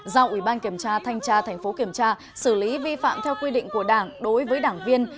giao ủy ban kiểm tra thanh tra thành phố kiểm tra xử lý vi phạm theo quy định của đảng đối với đảng viên